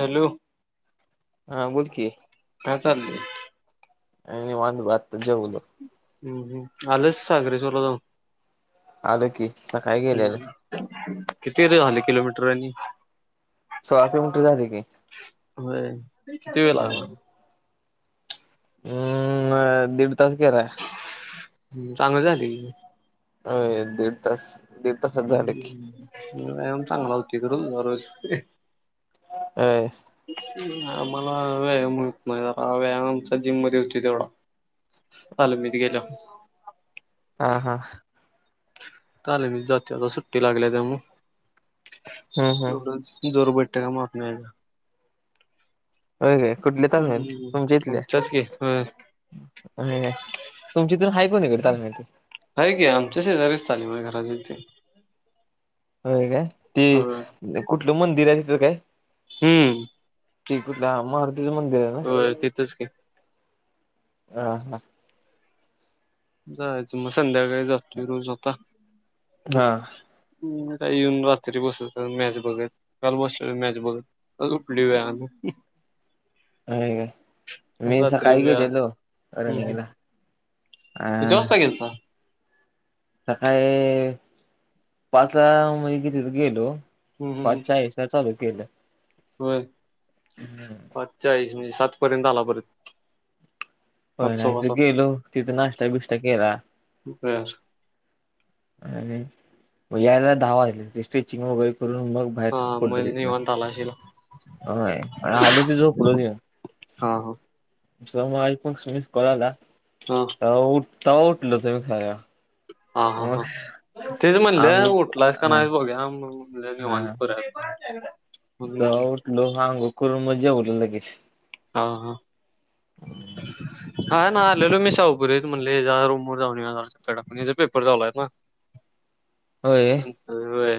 Hello हा बोलकी चालले आणि वांग भात जेवलो हम् आलंच सागरेश्वरला जाऊन आलो की सकाळी गेलेलो किती र झाल किलोमीटरनी सोफी [unintelligible] गुंठे झाले की, होय किती वेळ लागला हम् हम्म, अ, दीड तास गेला. चांगली झाली होय, दीड तास? दीड तासात झालं की. तांग तीर व [unintelligible] अय आम्हाला व्यायाम होत नाही, आता व्यायाम आमचा जिममध्ये होतोय तेवढा. तालमीत गेल्या हा, हा चालेल, मी जातो आता सुट्टी लागल्या त्यामुळ हम्म हम्म एवढंच, जोरबई त्याला माफ नाही का? [unintelligible] कुठले तांदूळ हायत, हम्म तुमच्या इथले, आमच्याच की होय आणि काय तुमची तर हायत? कोनिकडं तालीमत् हाय की, आमच्या शेजारीच तालीम हाय, घरा शेजरीच की. व्हय, काय? ते, ते कुठलं मंदिर हाय? असं काय? हम्म ते कुठलं, मारुतीच मंदिर आहे होय ना? तिथंच की हा, हा जायचं, मग् संध्याकाळी नाय, जातोय रोज आता हा काय येऊन रात्री बसलोत मॅच बघत, काल बसलोय मॅच बघत, आज उठलोय वेळाने आणि काय, मी सकाळी वेळा गेलेलो हम्म हम्म रनिंगला. अ किती वाजता गेलता? सकाळी पाचला म्हणजे किती गेलो पाचच्या एसट्या चालू [unintelligible] केलं व्हय, पाच चालिस म्हणजे सात आठपर्यंत आला परत. व्हय, सात सव्वा नाही सात गेलो तिथं, नाश्ता बिष्टा केला. बर आणि, म यायला दहा वाजले, डीशटिंगची वगैरे, करून मग बाहेर हा म पडलो तिथनं. निवत आलाशिल होय आणि आलोते झोपलोच येवून. हा हा [unintelligible] हा, हा उठ. तवा उठलोच खाऊया. हा हा हा तेच म्हणले अंघोळ उठलास का हा नाही बघ्याेया. मग निवांत करूया. [unintelligible] तवा म्हणलं उठलो अंघोळ केलो. करून मग जेवलो लगेच. हा हा, [inaudible] हा ना आलेलो मी शाहूपुरीत म्हणल हेज्या रूमवर जाऊन जरा चक्कर टाकून. हेज पेपर चालु हाय ना. होय शतय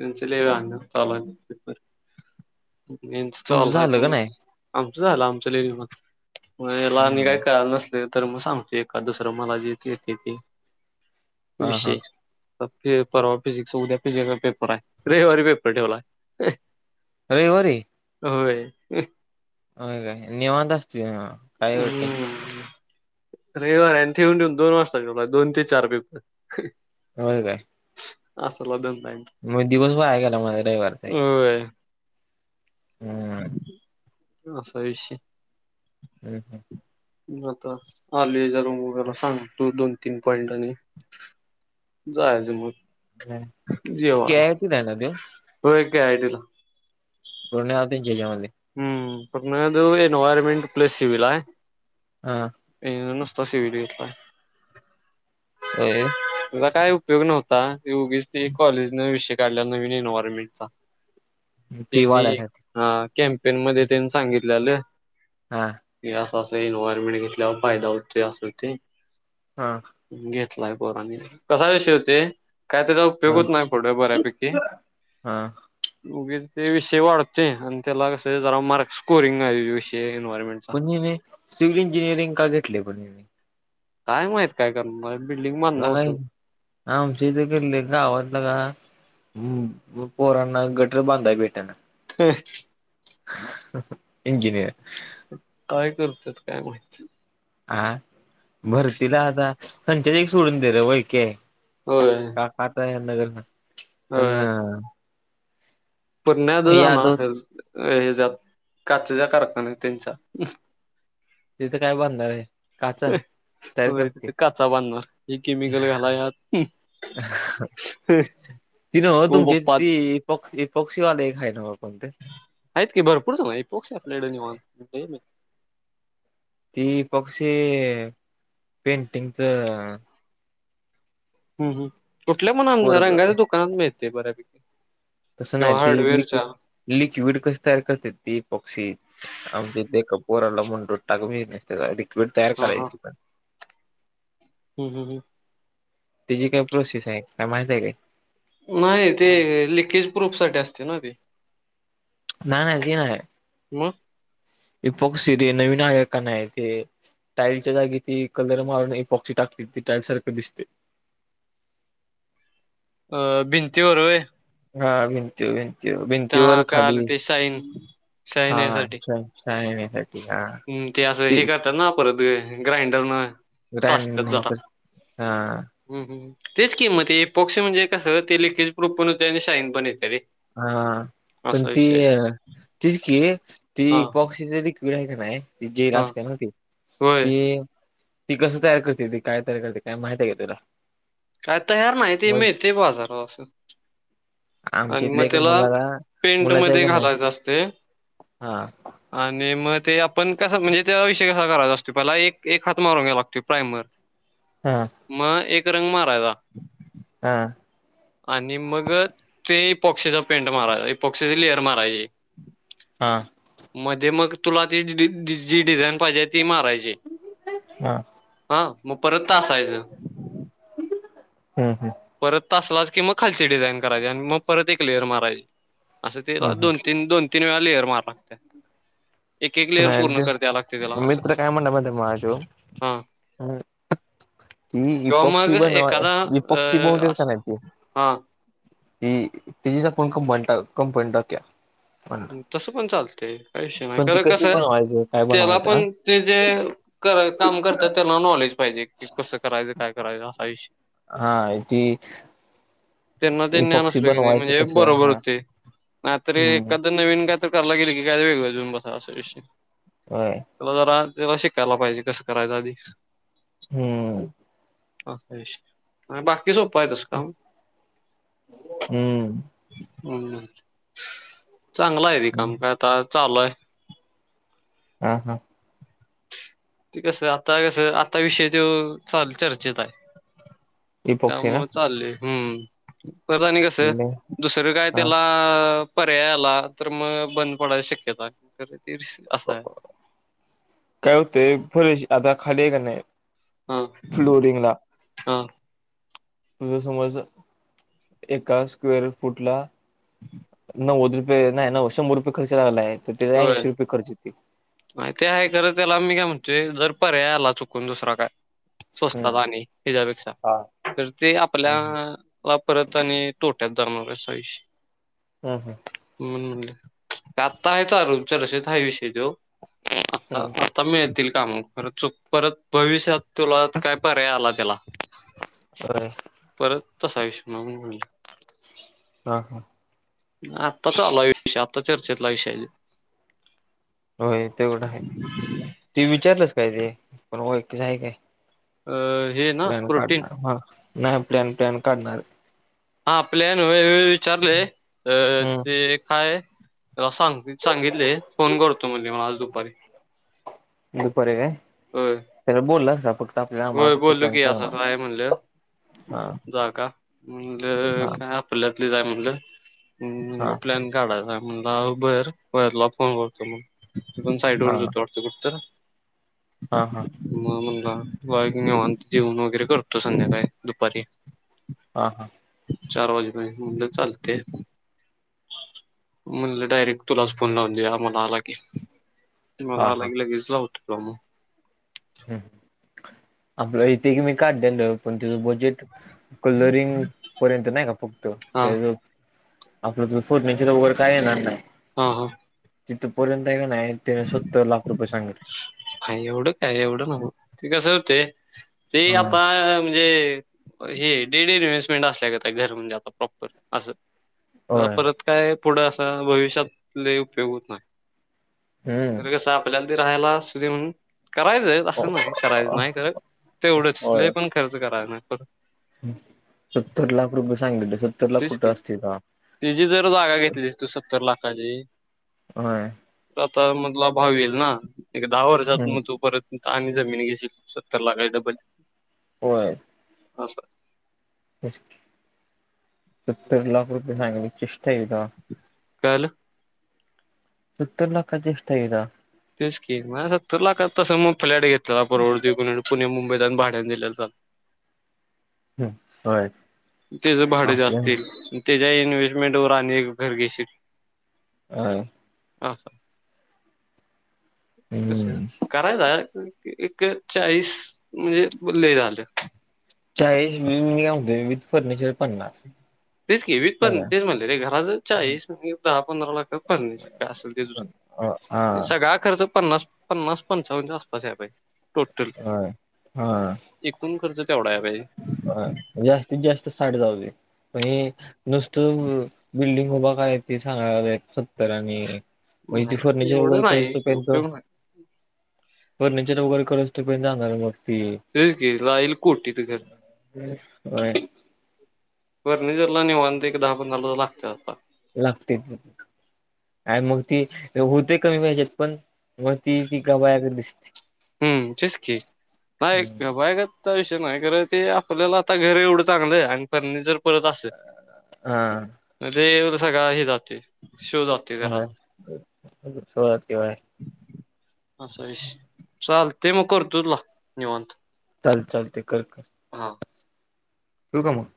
तच तल तुमचं इन्स्टॉल हो झालं का नाही? तुम्हाग आम झालं आमं लेली मग म लहनी हम्म काय करा नस तर मग सांगतो एका दुसरं मला ज येते ती हा हा विशय पेपर फिजिकस उद्या फिजिकसचा पेपर आहे रविवारी पेपर ठेवलाय अरे व र होय ह का निेवाद असत काय होटते हम्म रविवार आणि ठेवन ठेऊन दोन वाजताला दोन ते चार पेप हो काय असल ब मग दिवस भा आहे गला माझ रविवारचा एक होय हम्म ह सशय हम् हम् मता आलज गला सांगू दो तीन पॉइंट आणि आणि जायच मर ह कती ना न ते [unintelligible] [unintelligible] ते च्या मध्ये. [unintelligible] हा [unintelligible] [unintelligible] [unintelligible] तुला काय उपयोग नव्हता ती उगीच ती कॉलेज न विषय काढलाय नवीन एन्व्हायरमेंटचा फी तीनी वाढायसाठी हा. [unintelligible] झाल्या हा. असं एन्व्हायरमेंट घेतल्यावर फायदा होत असं ते हा. कसा विषय होते. काय त्याचा उपयोग हा होत नाही पुढ बऱ्यापैकी हा उगीच ते विषय वाढते अन त्याला कसं जरा मार्क्स स्कोरिंग आहे विषय एन्व्हायरमेंटचा. पण हिने सिव्हल इंजिनिअरिंग का घेतले पण हिने. काय माहित काय करणारे. [unintelligible] हम्म पोरांना गटर बांधाय भेटेना [unintelligible] इंजिनीयर. काय करतात काय माहित. हा भरतीला आता होय. [unintelligible] [unintelligible] [unintelligible] पण होय यादव [unintelligible] [unintelligible] तिथं काय बांधणार आहे. काचा तयार करते [unintelligible] हे केमिकल घालाया ती नव्ह तुमची ती इपॉक्स इपॉक्सीवाले एक आहे नव्ह कोणते हायेत की भरपूर हीपॉक्सी आपल्याकडे निवांत. ती ही पॉक्सी पेंटिंगच हम्म हम्म. कुठल्या पण पोरग रंगाच्या दुकानात मिळतंय बऱ्यापैकी [inaudible] तसं किंवा नाही ते लिक्ड हार्डवेअरच्या लिक्विड कशी तयार करते ती एपॉक्सी आमच्या इथं एका पोराला [unintelligible] वीट तयार हा हा करायची पण हम्म हम्म हम्म. त्याची काय प्रोसेस आहे काय माहिती आहे काय नाही ते लिकेज प्रुफ साठी असते ना ते नाही नाही ति नाही म. इपॉक्सी तेे नवीन आहे कि नाय ते टाइलच्या जागी ती कलर मारून इपॉक्सी टाकतेत ती टाइल सारखं दिसते अ भिंती वर होय. हा भिंतीवर त्या भिंतीवर काल खाली ते शाईन हा [unintelligible] हम्म ते असं ती हे करतात ना परत होय ग्राइंडरन ग्राइंडनिंग हा हं, हं. तेच कि मग ते इपॉक्सी म्हणजे कसं ते लीकेज प्रूफ पण होतंय आणि शाईन पण येतंय रे हा पण असा ती विषय आहे. अ तीच की ती हां, इपॉक्सीचं तु हाय का नाही ते जेर हां. असते ना ती होय. ते ती कसं तयार करतेत ती काय तयार करतेत काय माहित आहे का तुला काय तयार नाही ते मग मिळते बाजारात असं आमच्या आणि मग इथल्या एका त्याला मुलाला पेंट मुलाच्या मध्ये का नाही घालायचं असते हा आणि मग ते आपण कसं म्हणजे त्याचा विषय कसा करायचा असतो पहिला एक एक हात मारून घ्यायला लागतोय प्राईमर. हा म एक रंग मारायचा हा आणि मग ते इपॉक्सीचा पेंट माराय इपॉक्सीची लेअर मारायची हा मध्ये मग तुला [unintelligible] जी डिझाईन पाहिजे ती मारायची हा हा मग परत तासायचं हम्म हम् तासलास की मग खालची डिझाईन करायची आणि मग परत एक लेयर मारायची असं तिला हम् दोन तीन दोन तीन वेळा प्लेयर मार लागते त्याला असं मित्र काय म्हणला माझा त्यो हा कि किंवा मग इपक्षी एखादा बनवा अ पक्षी बलत्यात अस का नाही ते हा ती तचीच फोन कं कंपन टाकत्या तसं पण चालतं त काय विषय नाय पण ती कारण कस कशी हाय बनवायचं काय तेला बनवायचं हा पण ते जे काम करत्यात त्याला पण नॉलेज पाहिजे कि कस करायच काय करायच असा इशय हा ती ते ज्ञान पक्षी असलं कणी मग बनवायचं ते बर कसं हा होतंय हा हम्म तरीनाही नवीन काय तरराय गेल क काय वेगळजून बस असय विषय होय चला तररा त्याला शिकायला पाहिजे कसं करायचं आधी हम्म बाकी सोपं आहे तस काम हम्म हम् चांगला आहे ती काम कायता चालूय हम हम ते कस आता कसं आता विषय ते चाल चर्चेत आहे इपॉक्सी ना त्यामुळ चालले हम्म करत आणि कसं नाही. दुसरं काय हा त्याला अअअअ पर्याय आला तर मग बंद पडायची शक्यता ते असं हाय ते फरेज आता खाली क हा हा तुझ समज एका स्क्वेअर फुटला नव्वद रुपये नाही न शंभर रुपये खर्च लागला आहे होय माहिती आहे खरं त्याला आ मी काय म्हण ते जर पर्यायला चुकून दुसरा काय स्वस्तात हम्म आणि हिच्यापेक्षा हा तर ते हम्म आपल्याला परत आणि तोट्यात जाण्यापेक्षा अश हम्म ह् ताक ता हाय चालू चर्चेत हाय विषय ो आता हम्म आता मिळतील काम पररतं चूक परत भविष्यात तुला यात काय पर्याय आला त्याला होय परत तसा विषय म्हणून म्हणलं. हा हा आताच आलाय विष चर्चेत [unintelligible] व्हय तेवढं हाय. ते विचारलंस काय ते पण हो एकच आहे काय? अं, हे ना प्लॅन प्रोटीन? काढणार हा नाही प्लॅन प्लॅन काढणार. हा प्लॅन व्हय व्हय विचारलय ते हम्म काय त्याला सांग सांगितले, फोन करतो म्हणले मला दुपारी. दुपारी काय व्हय. त्याला बोललास का फक्त आपल्याला व्हय आम्हाला फक्त बोललो प्लॅन की, पाहिजे असं असं म्हणून हाय म्हणलं हा जा का. हा म्हणलं काय ते जाय म्हणलं. म्हणून हा म्हणलं प्लॅन काडायचा. म्हणलं, आओ बरं. घरला फोन करतो मग. मी पण हा साईटवरच होतो वाटतो कुठ तर ना हा हा. धा बा एक निवांत जेवन वगरे करतो संध्याकाळी दुपारी. हा हा. चार वाजेपर्यंत म्हणलं चालतय. म्हणलं डायरेक्ट तुलाच फोन लावून देऊ आम्हाला आला की. मला हा आला की लगेच लावतो. सोम हं. आपलं इथे की मी काढ लेल. पण त्याचं बजेट कलरिंग पर्यंत नाही ना प त. हा त्याजवळ आपल्या दृश फर्निचर वगरे काय येणार नाय. हा हा तिथपर्यंत त का नाही त्यानं सत्तर लाख रुपये सांगितल हा एवढं काय? एवढं नव्हं. ते कस होते ते हा आता म्हणजे हे डेली इन्व्हेस् घर म्हणजे आता प्रॉपर आस होय परत काय पुढं असा भविष्यात लई उपयोग होत नाही. हम्म तिरग सापला राहायला सुदेहुन करायचंय असं नाही करायचं नाही. कारण तेवढंच लई होय पण खर्च कराय नाही. परत सत्तर लाख रुपये सांगितले सत्तर लाख तेच की कुठं असतील का तीची जर जागा घेतली तू सत्तर लाख हजी व्हय त मधला भाव येईल ना. एक दहा वर्षात हम्म मग तो परत आणि जमीन घेशील सत्तर लाखाची डब्बल होय अस [unintelligible] सत्तर लाख रुपये सांगली. चष तेदा काल सत्तर लाखाची स्टयीरा तेच की मला सत्तर लाखाच तस मग फ्लॅट घेत. त्याला परडते पुणे पुणे मुंबईत आणि भाट त्या निल्याल सांग हम्म होय. त्याज भाड आपल्या जास्ती येईल. त्याच्या इन्व्हेशमेंट वर आणि एक घर घेशी ह. आस. कस हम्म करायला. एक चाळीस म्हणजे लई झालं. च चाळीत [unintelligible] नि आ विथ फर्नीचर तेच की विक पण तेच म्हणले रे घराच चाळीस दहा पंधरा लाखात फर्निचर काय आसल ते का अ हा तुझ सगळा खर्च पन्नास पन्नास पंचावन्नच्या आसपास [unintelligible] यायला पाहिजे. टोटल होय एकूण खर्च? ते एवढा [unintelligible] आहे पाहिजे. हा जास्तीत जास्त साडेदहा जावूदे [unintelligible] म्हणजे नुसतं ब बिल्डिंग. बगा [unintelligible] सांगा सत्तर आणि. म इथ नाही फर्निचर एवढं वगैरे नाही करातो [unintelligible] य उपयोग नाही फर्निचर वगैरे कर तु बे जाणारे मग. ती ते ईराईल कोटीत घर व्हय. फर्निचरला निवांत एक दहा पंधरा [unintelligible] लागते आता लागते आय म ती होते कमी ह्याच्यात पण मग ती ती गबाया गत दिसते. हम्म तिचकी हा गबायगत. तो विषय नाही खरं ते आपल्याला आता घर एवढं चांगलं आहे आणि फर्निचर परत असे हा [unintelligible] ती एवढं सगळा ही जाते. [unintelligible] चालतय मग करतोय तुला निवांत. चालते, चालते, कर, कर. [inaudible] ठेवू का मग.